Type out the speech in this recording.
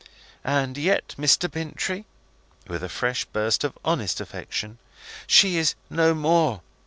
And yet, Mr. Bintrey," with a fresh burst of honest affection, "she is no more.